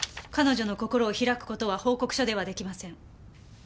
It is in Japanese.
彼女の心を開く事は報告書では出来ません。